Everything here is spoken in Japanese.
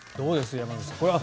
山口さん。